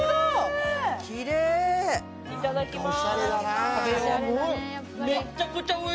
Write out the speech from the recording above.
いただきます。